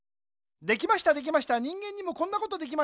できましたできました人間にもこんなことできました。